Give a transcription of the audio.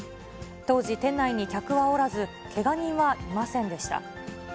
当時、店内に客はおらず、けが人はいませんでした。